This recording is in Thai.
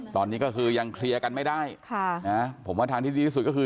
ตอนนี้ก็คือยังเคลียร์กันไม่ได้ค่ะนะผมว่าทางที่ดีที่สุดก็คือ